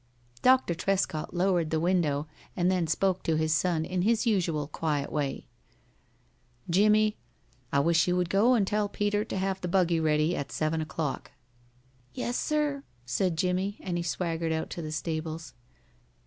Doctor Trescott lowered the window, and then spoke to his son in his usual quiet way. "Jimmie, I wish you would go and tell Peter to have the buggy ready at seven o'clock." "Yes, sir," said Jimmie, and he swaggered out to the stables.